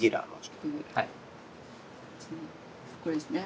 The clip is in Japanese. これですね。